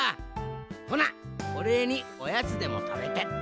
ほなおれいにおやつでもたべてって。